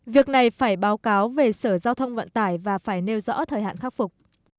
việc này phải báo cáo về sở giao thông vận tải và phải nêu rõ thời hạn khắc phục